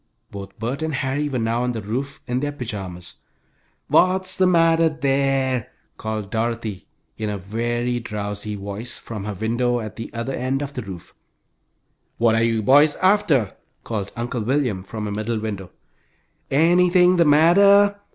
Both Bert and Harry were now on the roof in their pajamas. "What's the matter there?" called Dorothy, in a very drowsy voice, from her window at the other end of the roof. "What are you boys after?" called Uncle William, from a middle window. "Anything the matter?"